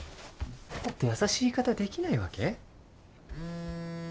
もっと優しい言い方できないわけ？